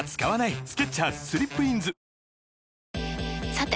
さて！